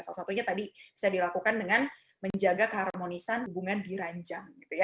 salah satunya tadi bisa dilakukan dengan menjaga keharmonisan hubungan diranjang